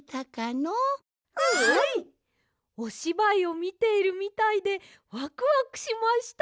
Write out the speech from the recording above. おしばいをみているみたいでワクワクしました！